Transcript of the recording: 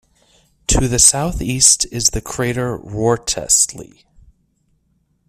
To the southeast is the crater Wrottesley.